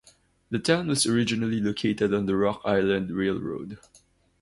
The town was originally located on the Rock Island Railroad.